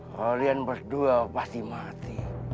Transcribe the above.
kalian berdua pasti mati